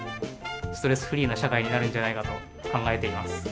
ストレスフリーな社会になるんじゃないかと考えています。